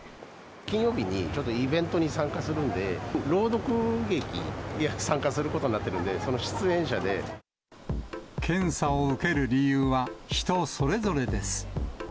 金曜日に、ちょっとイベントに参加するんで、朗読劇に参加することになってる検査を受ける理由は、人それぞれです。